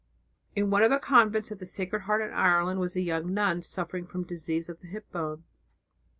In one of the convents of the Sacred Heart in Ireland was a young nun suffering from disease of the hip bone.